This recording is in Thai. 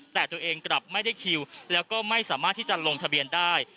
แต่ตัวเองกลับไม่ได้คิวแล้วก็ไม่สามารถที่จะลงทะเบียนได้